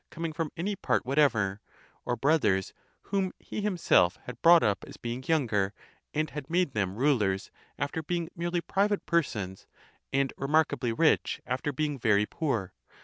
coming from any part whatever," or brothers, whom he himself had brought up as being younger, and had made them rulers, after being merely private persons, and remarkably rich, after being (very) poor.